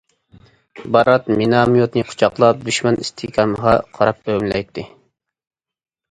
بارات مىناميوتنى قۇچاقلاپ دۈشمەن ئىستىھكامىغا قاراپ ئۆمىلەيتتى.